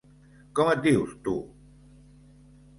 Com et dius, tu?